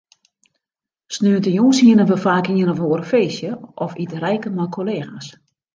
Sneontejûns hiene we faak ien of oar feestje of iterijke mei kollega's.